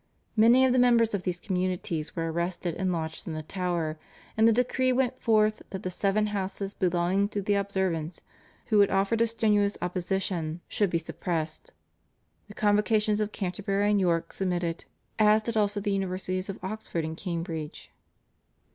Many of the members of these communities were arrested and lodged in the Tower, and the decree went forth that the seven houses belonging to the Observants, who had offered a strenuous opposition to the divorce, should be suppressed. The Convocations of Canterbury and York submitted, as did also the Universities of Oxford and Cambridge.